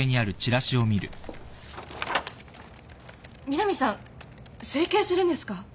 南さん整形するんですか？